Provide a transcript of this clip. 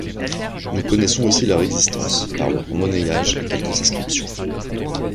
Nous connaissons aussi leur existences par leur monnayage et quelques inscriptions.